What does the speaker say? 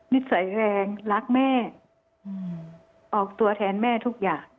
นิสัยแรงรักแม่ออกตัวแทนแม่ทุกอย่าง